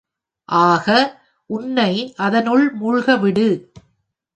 ஆக உன்னை அதனுள் மூழ்கவிடு.